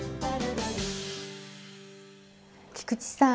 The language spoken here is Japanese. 菊池さん